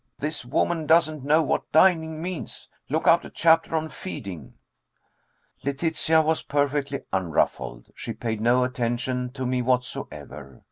This woman doesn't know what dining means. Look out a chapter on feeding." Letitia was perfectly unruffled. She paid no attention to me whatsoever.